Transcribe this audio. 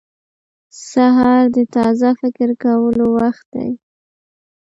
• سهار د تازه فکر کولو وخت دی.